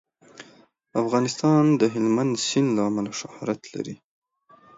افغانستان د هلمند سیند له امله شهرت لري.